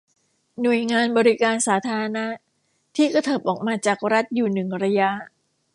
หน่วยงานบริการสาธารณะที่กระเถิบออกมาจากรัฐอยู่หนึ่งระยะ